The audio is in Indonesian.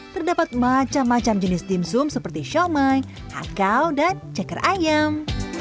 terdapat macam macam jenis dimsum seperti siomay kakao dan ceker ayam